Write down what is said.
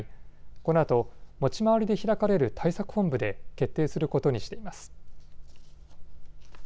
このあと持ち回りで開かれる対策本部で決定することにしています。